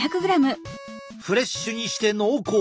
フレッシュにして濃厚！